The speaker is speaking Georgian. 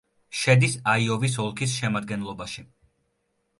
შედის აიოვის ოლქის შემადგენლობაში.